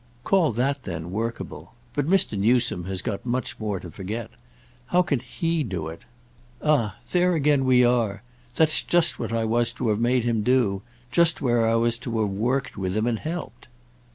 "Call that then workable. But Mr. Newsome has much more to forget. How can he do it?" "Ah there again we are! That's just what I was to have made him do; just where I was to have worked with him and helped."